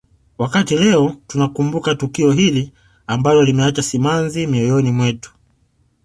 Wakati leo tunakumbuka tukio hili ambalo limeacha simanzi mioyoni mwetu